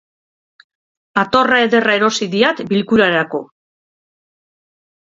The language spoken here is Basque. Atorra ederra erosi diat bilkurarako.